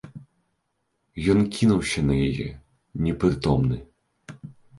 Ён кінуўся на яе, непрытомны.